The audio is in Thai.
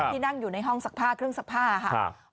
ที่นั่งอยู่ในห้องซักผ้าเครื่องซักผ้าค่ะ